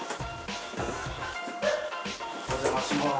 お邪魔します。